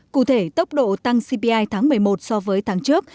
cụ thể tốc độ tăng cpi tháng một mươi một so với tháng trước